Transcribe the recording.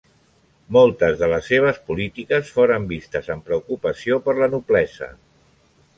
Moltes de les seves polítiques foren vistes amb preocupació per la noblesa.